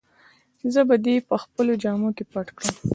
زه به دي په خپلو جامو کي پټ کړم.